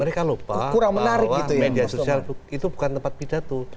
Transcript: mereka lupa bahwa media sosial itu bukan tempat bidat